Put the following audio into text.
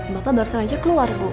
bapak baru saja keluar bu